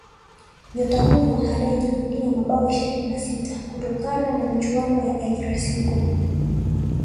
Nyota huyo anayejivunia mabao ishirini na sita kutokana na michuano ya El Clasico